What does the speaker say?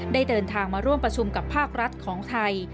เดินทางมาร่วมประชุมกับภาครัฐของไทย